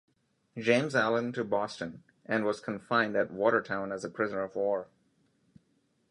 James Allen to Boston, and was confined at Watertown as a prisoner of war.